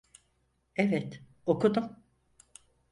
Evet, okudum.